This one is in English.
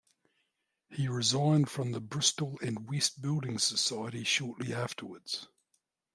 He resigned from the Bristol and West building society shortly afterwards.